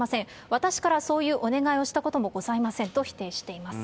私からそういうお願いをしたこともございませんと否定しています。